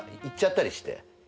行っちゃったりして。